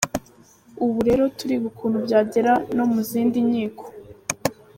Ubu rero turiga ukuntu byagera no mu zindi nkiko.